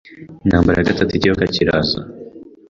Intambara ya gatatu Ikiyoka kiraza